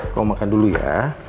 kamu makan dulu ya